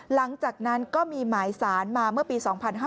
หลังจากนั้นก็มีหมายสารมาเมื่อปี๒๕๕๙